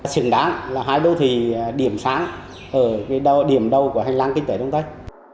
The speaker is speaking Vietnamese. xứng đáng là hai đô thị điểm sáng ở điểm đầu của hành lang kinh tế đông tây